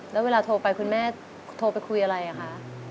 แล้วเวลาโทรไปคุณแม่โทรไปคุยอะไรคะ